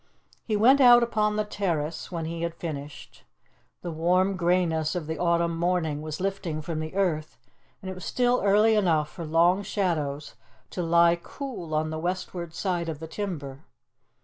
He went out upon the terrace when he had finished. The warm greyness of the autumn morning was lifting from the earth and it was still early enough for long shadows to lie cool on the westward side of the timber.